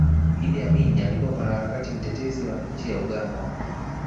idi amini alikuwa mwanaharakati mtetezi wa nchi ya uganda